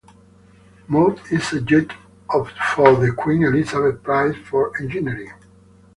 Mote is a judge for the Queen Elizabeth Prize for Engineering.